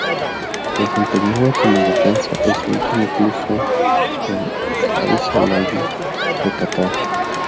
Se desempeñaba como defensa y su último club fue el Al-Sailiya de Catar.